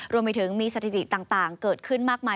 รวมไปถึงมีสถิติต่างเกิดขึ้นมากมาย